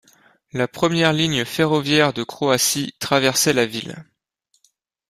La première ligne ferroviaire de Croatie traversait la ville.